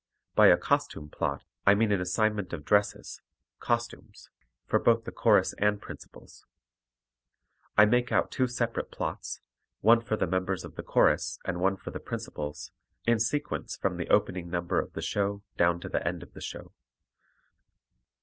By a costume plot I mean an assignment of dresses, costumes, for both the chorus and principals. I make out two separate plots, one for the members of the chorus and one for the principals, in sequence from the opening number of the show down to the end of the show.